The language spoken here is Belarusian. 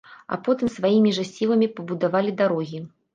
А потым сваімі жа сіламі пабудавалі дарогі.